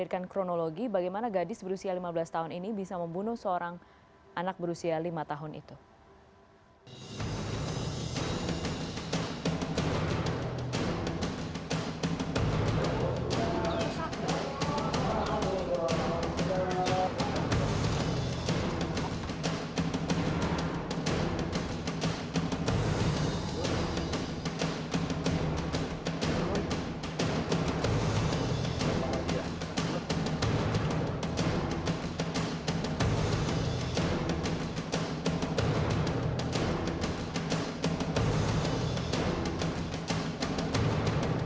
tuhan atas kematianmu tuhan atas kemampuanmu